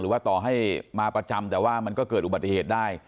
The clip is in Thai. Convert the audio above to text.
ว่าต่อให้มาประจำแต่ว่ามันก็เกิดอุบัติเหตุได้